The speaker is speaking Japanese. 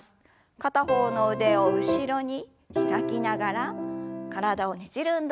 片方の腕を後ろに開きながら体をねじる運動です。